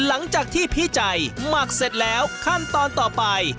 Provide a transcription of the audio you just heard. หลังจากที่พี่ใจหมักเสร็จแล้วขั้นตอนต่อไป